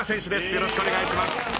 よろしくお願いします。